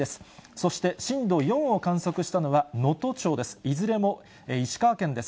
そして震度４を観測したのは能登町です。